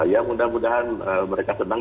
ya mudah mudahan mereka senang